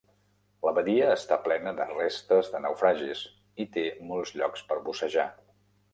La badia està plena de restes de naufragis i té molts llocs per bussejar.